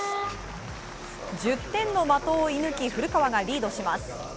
１０点の的を射貫き古川がリードします。